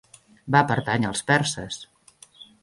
Va pertànyer als perses.